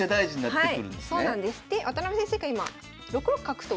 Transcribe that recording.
はい。